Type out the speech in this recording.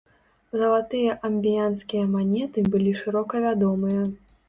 Залатыя амбіянскія манеты былі шырока вядомыя.